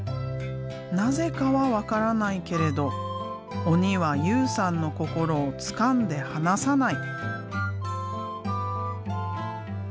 なぜかは分からないけれど鬼は雄さんの心をつかんで離さない。